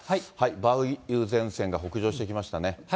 梅雨前線が北上してきましたね。